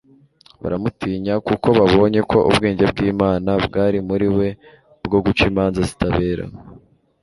baramutinya, kuko babonye ko ubwenge bw'imana bwari muri we bwo guca imanza zitabera